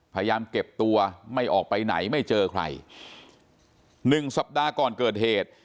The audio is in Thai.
พยายามเก็บตัวไม่ออกไปไหนไม่เจอใครหนึ่งสัปดาห์ก่อนเกิดเหตุ